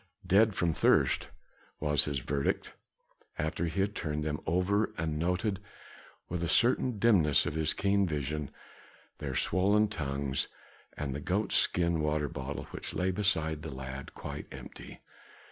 "Dead from thirst," was his verdict after he had turned them over and had noted with a certain dimness of his keen vision, their swollen tongues and the goat skin water bottle which lay beside the lad quite empty.